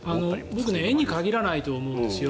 僕、絵に限らないと思うんですよ。